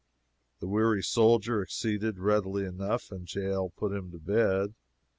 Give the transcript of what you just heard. The weary soldier acceded readily enough, and Jael put him to bed.